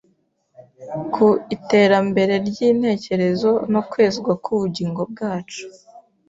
ku iterambere ry’intekerezo no kwezwa k’ubugingo bwacu.